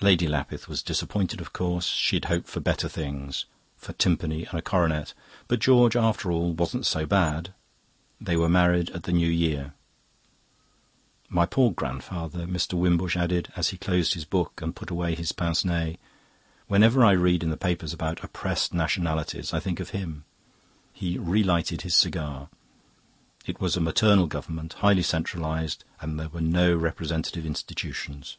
"Lady Lapith was disappointed, of course; she had hoped for better things for Timpany and a coronet. But George, after all, wasn't so bad. They were married at the New Year. "My poor grandfather!" Mr. Wimbush added, as he closed his book and put away his pince nez. "Whenever I read in the papers about oppressed nationalities, I think of him." He relighted his cigar. "It was a maternal government, highly centralised, and there were no representative institutions."